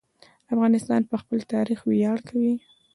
افغانان په خپل تاریخ ویاړ کوي.